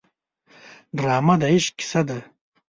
ډرامه د عشق کیسه ده